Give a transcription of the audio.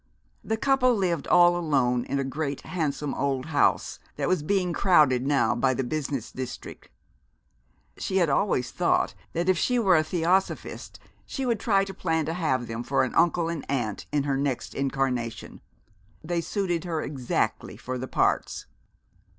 The couple lived all alone in a great, handsome old house that was being crowded now by the business district. She had always thought that if she were a Theosophist she would try to plan to have them for an uncle and aunt in her next incarnation. They suited her exactly for the parts.